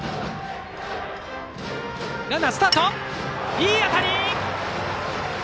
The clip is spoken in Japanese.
いい当たり！